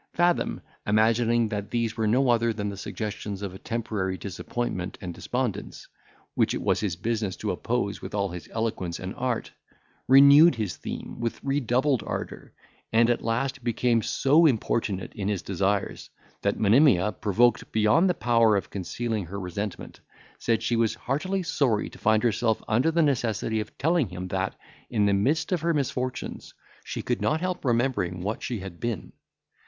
Fathom, imagining that these were no other than the suggestions of a temporary disappointment and despondence, which it was his business to oppose with all his eloquence and art, renewed his theme with redoubled ardour, and, at last, became so importunate in his desires, that Monimia, provoked beyond the power of concealing her resentment, said, she was heartily sorry to find herself under the necessity of telling him, that, in the midst of her misfortunes, she could not help remembering what she had been.